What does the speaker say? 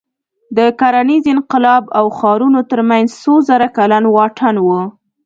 د کرنیز انقلاب او ښارونو تر منځ څو زره کلن واټن و.